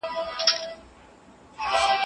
پوهان د ټولنې د اصلاح لپاره نظرونه ورکوي.